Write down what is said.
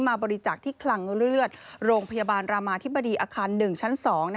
บริจักษ์ที่คลังเลือดโรงพยาบาลรามาธิบดีอาคาร๑ชั้น๒